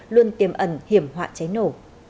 luôn tiềm ẩn hiểm hoạn cháy nổ